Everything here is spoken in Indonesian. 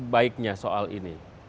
baiknya soal ini